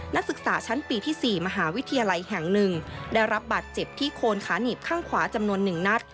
นักศึกษาชั้นปีที่๔มหาวิทยาลัยแห่ง๑ได้รับบาดเจ็บที่โคนขาหนีบข้างขวาจำนวน๑นัด